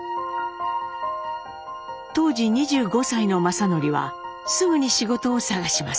当時２５歳の正順はすぐに仕事を探します。